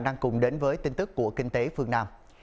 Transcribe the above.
đang cùng đến với tin tức của kinh tế phương nam